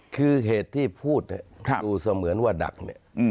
คือเหตุที่พูดเนี่ยดูเสมือนว่าดักเนี่ย